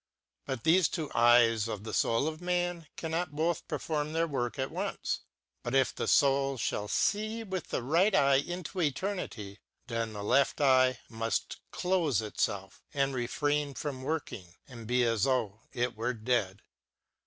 But thefe two eyes of the foul of man can not both perform their work at once ; but if the foul fhall fee with the right eye into eternity, then the left eye muft clofe itfelf and refrain from working, and be as though it were dead.